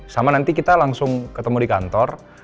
sama nanti kita langsung ketemu di kantor